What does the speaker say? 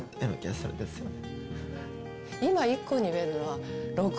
そうですよね。